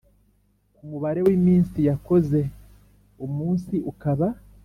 Ku mubare w iminsi yakoze umunsi ukaba